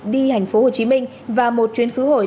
đi thành phố hồ chí minh và một chuyến khứ hội